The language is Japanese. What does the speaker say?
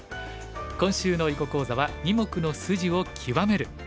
今週の囲碁講座は「二目の筋を極める」。